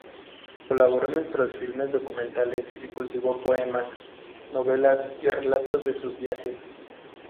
Colaboró en numerosos filmes documentales y cultivó poemas, novelas y relatos de sus viajes.